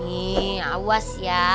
nih awas ya